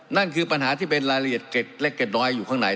นั่นคือปัญหาที่เป็นรายละเอียดเกร็ดเล็กเกร็ดน้อยอยู่ข้างใน